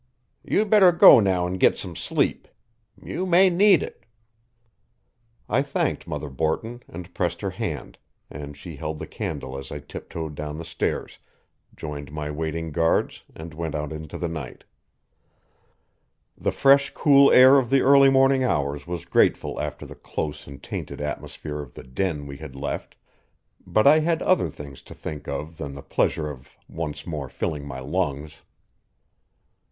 You'd better go now and git some sleep. You may need it." I thanked Mother Borton and pressed her hand, and she held the candle as I tiptoed down the stairs, joined my waiting guards, and went out into the night. The fresh, cool air of the early morning hours was grateful after the close and tainted atmosphere of the den we had left, but I had other things to think of than the pleasure of once more filling my lungs.